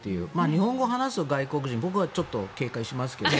日本語を話す外国人は僕はちょっと警戒しますけど。